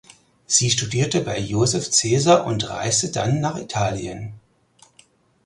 Sie studierte bei Josef Cesar und reiste dann nach Italien.